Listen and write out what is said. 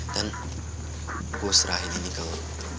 dan gua serahin ini ke lu